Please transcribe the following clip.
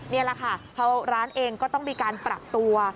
นี่แหละค่ะร้านเองก็ต้องมีการปรับตัว